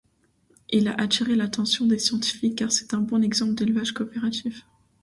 Il a attiré l'attention des scientifiques car c'est un bon exemple d'élevage coopératif.